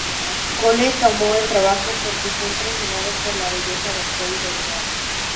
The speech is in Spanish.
Cole tomó el trabajo porque está impresionado por la belleza del código de Daly.